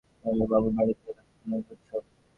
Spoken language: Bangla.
নবগোপাল বাবুর বাটীতে আজ তদুপলক্ষে উৎসব।